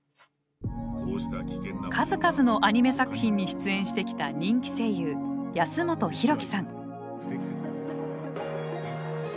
数々のアニメ作品に出演してきた人気声優安元洋貴さん。